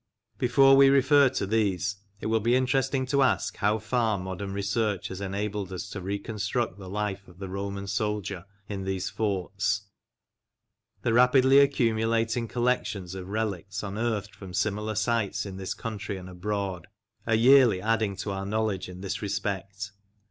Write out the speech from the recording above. Before we refer to these it will be interesting to ask how far modern research has enabled us to reconstruct the life of the Roman soldier in these forts. The rapidly accumulating collections of relics unearthed from similar sites in this country and abroad are yearly adding to our knowledge in this respect.